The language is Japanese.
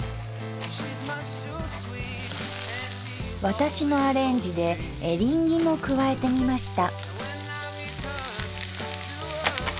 私のアレンジでエリンギも加えてみました。